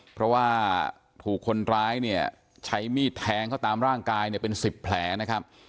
เพราะว่าถูกคนร้ายเนี่ยใช้มีดแทงเขาตามร่างกายเนี่ยเป็น๑๐แผลนะครับ